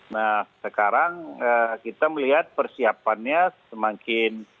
nah sekarang kita melihat persiapannya semakin